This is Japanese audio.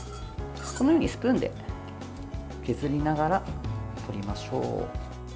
このようにスプーンで削りながら取りましょう。